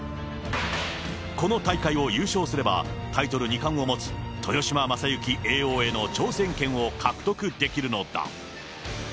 この大会を優勝すれば、タイトル二冠を持つ、豊島将之叡王への挑戦権を獲得できるのだ。